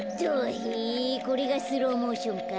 へえこれがスローモーションか。